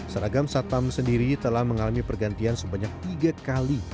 seragam satpam sendiri telah mengalami pergantian sebanyak tiga kali